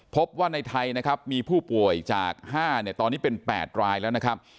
พบว่าในไทยนะครับมีผู้ป่วยจาก๕เนี่ยตอนนี้เป็น๘รายแล้วนะครับ